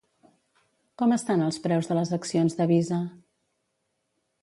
Com estan els preus de les accions de Visa?